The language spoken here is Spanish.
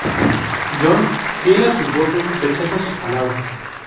Jon, fiel a sus votos, rechaza sus palabras.